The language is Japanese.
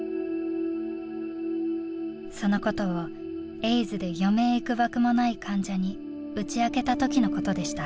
そのことをエイズで余命いくばくもない患者に打ち明けた時のことでした。